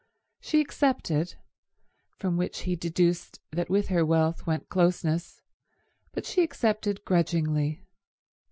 She accepted—from which he deduced that with her wealth went closeness—but she accepted grudgingly.